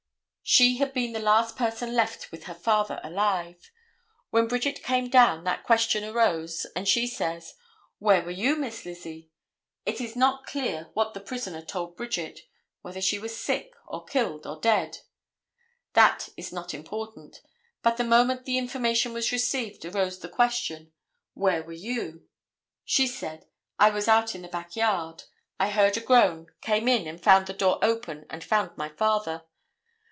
She had been the last person left with her father alive. When Bridget came down that question arose, and she says: "Where were you, Miss Lizzie?" It is not clear what the prisoner told Bridget, whether he was sick, or killed, or dead. That is not important, but the moment the information was received arose the question: "Where were you?" She said: "I was out in the back yard; I heard a groan, came in and found the door open and found my father."